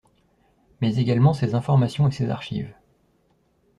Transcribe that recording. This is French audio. mais également ses informations et ses archives